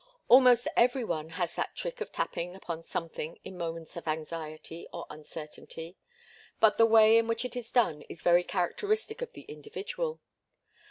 Almost every one has that trick of tapping upon something in moments of anxiety or uncertainty, but the way in which it is done is very characteristic of the individual.